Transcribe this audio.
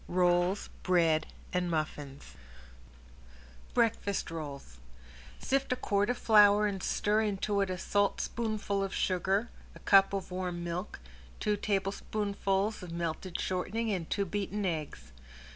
ROLLS, BREAD AND MUFFINS ~BREAKFAST ROLLS~ Sift a quart of flour and stir into it a saltspoonful of sugar, a cup of warm milk, two tablespoonfuls of melted shortening and two beaten eggs.